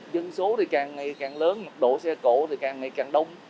dân số thì càng ngày càng lớn độ xe cộ thì càng ngày càng đông